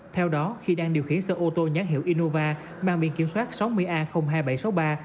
theo đó khi đang điều khiển sở ô tô nhán hiệu innova bàn biển kiểm soát sáu mươi a hai nghìn bảy trăm sáu mươi ba